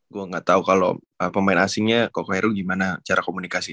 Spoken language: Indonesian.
gue nggak tau kalau pemain asingnya koko helu gimana cara komunikasi